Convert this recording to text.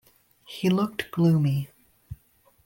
He looked gloomy.